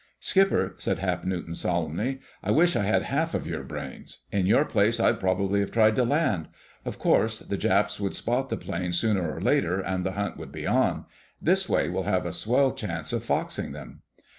"Skipper," said Hap Newton solemnly, "I wish I had half of your brains. In your place, I'd probably have tried to land. Of course, the Japs would spot the plane sooner or later, and the hunt would be on. This way we'll have a swell chance of foxing them."